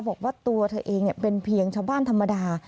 บอกว่าตัวเธอเองเป็นเพียงชาวบ้านธรรมดา